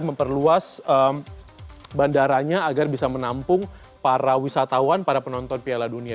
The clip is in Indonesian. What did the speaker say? memperluas bandaranya agar bisa menampung para wisatawan para penonton piala dunia